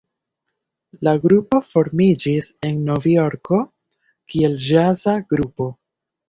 La grupo formiĝis en Novjorko kiel ĵaza grupo.